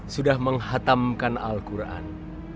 sudah menghatamkan al quran